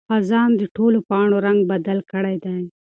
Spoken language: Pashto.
خزان د ټولو پاڼو رنګ بدل کړی دی.